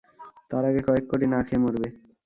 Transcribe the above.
তার আগে কয়েক কোটি না খেয়ে মরবে।